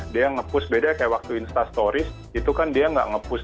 dia nge post beda kayak waktu instastories itu kan dia nggak nge post